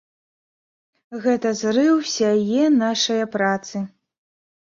Гэта зрыў усяе нашае працы.